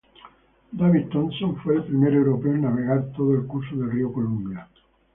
David Thompson fue el primer europeo en navegar todo el curso del río Columbia.